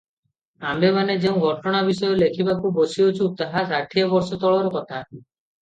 ଆମ୍ଭେମାନେ ଯେଉଁ ଘଟଣା ବିଷୟ ଲେଖିବାକୁ ବସିଅଛୁଁ, ତାହା ଷାଠିଏ ବର୍ଷ ତଳର କଥା ।